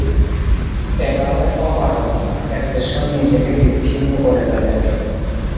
এভাবে অপারগ স্টেশন নিজেকে বিচ্ছিন্ন করে ফেলে।